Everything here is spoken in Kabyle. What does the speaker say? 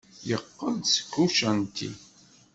Yeqqel-d seg ucanṭi.